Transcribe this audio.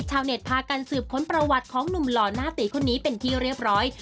ชาวเน็ตพากันสืบค้นประวัติของหนุ่มหล่อหน้าตีคนนี้เป็นที่เรียบร้อย